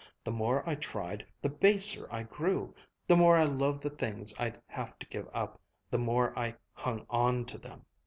The more I tried, the baser I grew; the more I loved the things I'd have to give up, the more I hung on to them.